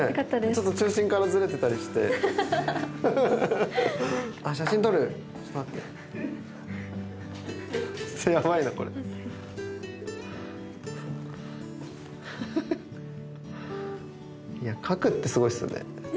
ちょっと中心からズレてたりしてハハハハちょっと待ってちょやばいなこれいや描くってすごいですよね